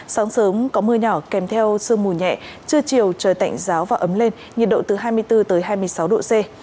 sáng sớm có mưa nhỏ kèm theo sương mù nhẹ trưa chiều trời tạnh giáo và ấm lên nhiệt độ từ hai mươi bốn hai mươi sáu độ c